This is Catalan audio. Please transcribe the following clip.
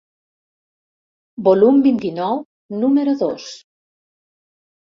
Volum vint-i-nou, número dos.